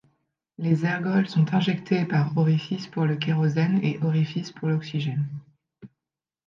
Les ergols sont injectés par orifices pour le kérosène et orifices pour l'oxygène.